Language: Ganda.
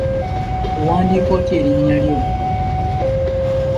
Owandiika otya erinnya lyo?